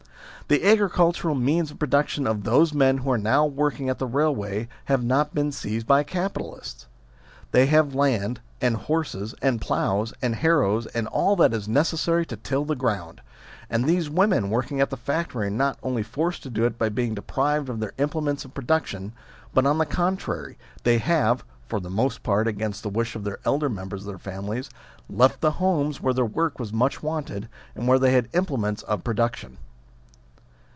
The agricultural means of production of those men who are now working at the railway have not been seized by capitalists : THE FACTORY SYSTEM 41 they have land, and horses, and ploughs, and harrows, and all that is necessary to till the ground ; also these women working at the factory are not only not forced to it by being deprived of their implements of production, but, on the contrary, they have (for the most part against the wish of the elder members of their families) left the homes where their work was much wanted, and where they had implements of pro duction.